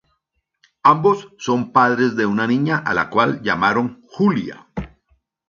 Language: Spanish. Ambos son padres de una niña a la cual llamaron Julia.